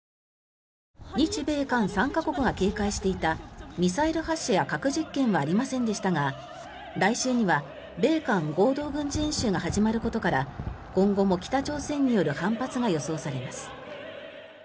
日米韓３か国が警戒していたミサイル発射や核実験はありませんでしたが来週には米韓合同軍事演習が始まることから今後も北朝鮮による反発が予想されます。